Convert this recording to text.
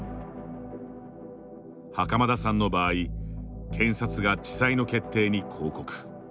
袴田さんの場合検察が地裁の決定に抗告。